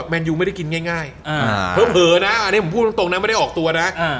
แมนยูไม่ได้กินง่ายง่ายอ่าเผลอเผลอนะอันเนี้ยผมพูดตรงตรงนั้นไม่ได้ออกตัวน่ะอ่า